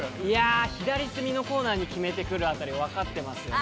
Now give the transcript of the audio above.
左隅のコーナーに決めてくるあたり、わかってますね。